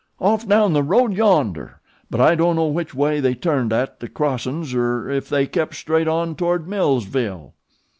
"Off down the road yonder; but I don't know which way they turned at the crossin's, er ef they kept straight on toward Millsville."